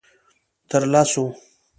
_تر لسو.